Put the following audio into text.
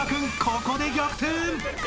ここで逆転］